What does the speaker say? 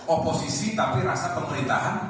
oposisi tapi rasa pemerintahan